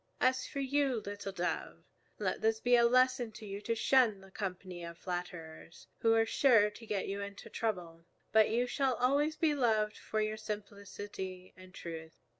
As for you, little Dove, let this be a lesson to you to shun the company of flatterers, who are sure to get you into trouble. But you shall always be loved for your simplicity and truth.